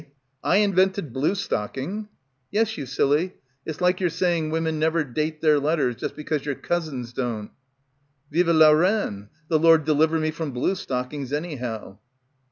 I invented blue stocking?" "Yes, you, silly. It's like your saying women never date their letters just because your cousins don't." "Vive la reine. The Lord deliver me from blue stockings, anyhow."